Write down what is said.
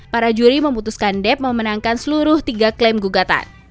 para juri memutuskan dep memenangkan seluruh tiga klaim gugatan